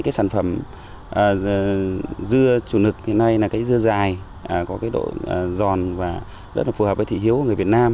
cái sản phẩm dưa chủ lực hiện nay là cái dưa dài có cái độ giòn và rất là phù hợp với thị hiếu của người việt nam